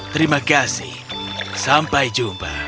terima kasih sampai jumpa